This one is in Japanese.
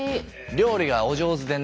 料理がお上手でね。